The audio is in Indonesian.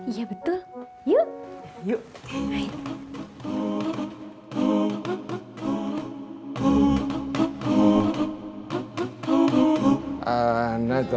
iya betul yuk